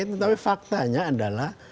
tapi faktanya adalah